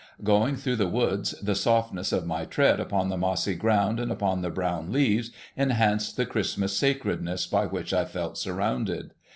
Going through the woods, the softness of my tread upon the mossy ground and among the brown leaves enhanced the Christmas sacredness by which I felt surrounded.